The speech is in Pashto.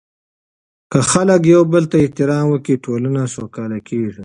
که خلک یو بل ته احترام ورکړي، ټولنه سوکاله کیږي.